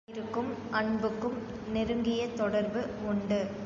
கண்ணிருக்கும் அன்புக்கும் நெருங்கிய தொடர்பு உண்டு.